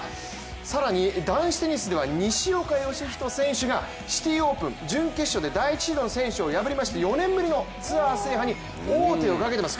更に男子テニスでは西岡良仁選手がシティ・オープン準決勝で第１シードの選手を破りまして４年ぶりのツアー制覇に王手をかけています。